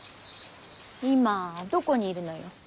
今どこにいるのよ。